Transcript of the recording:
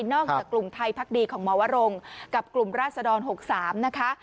จากกลุ่มไทยพักดีของหมอวรงกับกลุ่มราศดร๖๓นะคะ